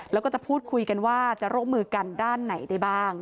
แล้วก็จะพูดคุยกันว่าจะร่วมมือกันด้านไหนได้บ้าง